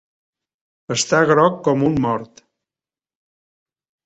Està groc com un mort.